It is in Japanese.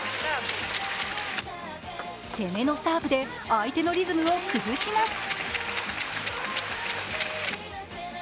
攻めのサーブで相手のリズムを崩します。